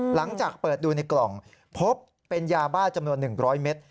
หลังจากเปิดดูในกล่องพบเป็นยาบ้าจำนวน๑๐๐เมตร